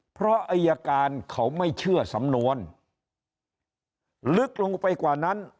เพราะอายการเขาไม่เชื่อสำนวนลึกลงไปกว่านั้น